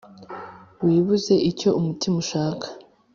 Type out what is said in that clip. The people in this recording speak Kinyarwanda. wibuze icyo umutima ushaka